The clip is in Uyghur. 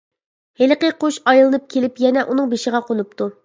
ھېلىقى قۇش ئايلىنىپ كېلىپ يەنە ئۇنىڭ بېشىغا قونۇپتۇ.